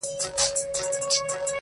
پوهېږم چي زما نوم به دي له یاده وي وتلی؛